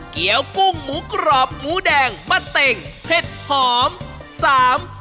เกี้ยวกุ้งหมูกรอบหมูแดงมะเต็งเผ็ดหอมสาม